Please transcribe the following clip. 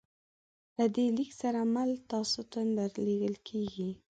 له دې لیک سره مل تاسو ته درلیږل کیږي